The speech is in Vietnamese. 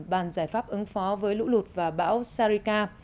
bàn giải pháp ứng phó với lũ lụt và bão sarika